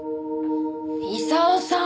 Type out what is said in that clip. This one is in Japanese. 功さん！